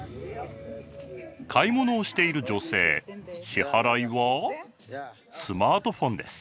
買い物をしている女性支払いはスマートフォンです。